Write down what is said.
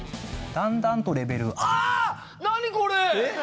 だんだんとレベル。